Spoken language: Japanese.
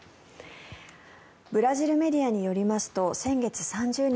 ブラジルメディアによりますと先月３０日